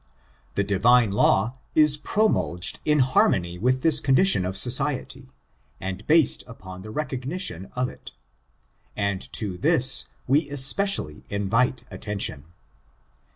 The divme law is pro mulged in harmony with this condition of society, and based upon the recognition of it. And to this, we especially invite attention.